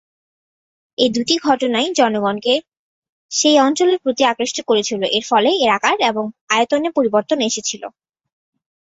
এই দুটি ঘটনাই জনগণকে সেই অঞ্চলের প্রতি আকৃষ্ট করেছিল, এর ফলে এর আকার এবং আয়তনে পরিবর্তন এসেছিল।